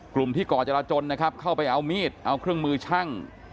กลุ่มที่ก่อจราจนนะครับเข้าไปเอามีดเอาเครื่องมือช่าง